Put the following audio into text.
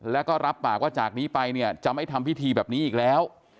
แล้วก็รับปากว่าจากนี้ไปเนี่ยจะไม่ทำพิธีแบบนี้อีกแล้ว